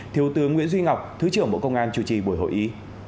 thiếu tướng nguyễn duy ngọc thứ trưởng bộ công an chủ trì buổi hội ý